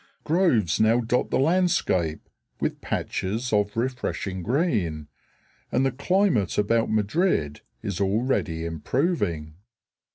Groves now dot the landscape with patches of refreshing green, and the climate about Madrid is already improving.